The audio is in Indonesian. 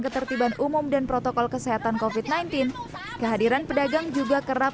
ketertiban umum dan protokol kesehatan covid sembilan belas kehadiran pedagang juga kerap